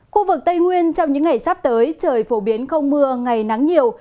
khu vực tây nguyên trong những ngày sắp tới trời phổ biến không mưa ngày nắng nhiều